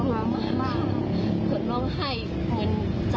หนูก็รีบเข้ามาข้างในหนูรีบไปเหลือทางเขาก็เลยไปเอาดันไกลค่ะ